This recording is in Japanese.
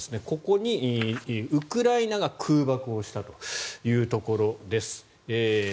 ここにウクライナが空爆をしたというところです。